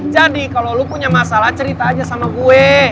jadi kalo lo punya masalah cerita aja sama gue